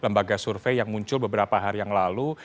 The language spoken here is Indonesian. dengan hasil dari survei yang muncul beberapa hari yang lalu